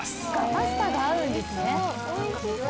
パスタが合うんですね。